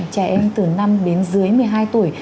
trẻ em từ năm đến dưới một mươi hai tuổi